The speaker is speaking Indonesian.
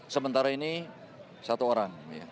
sementara ini satu orang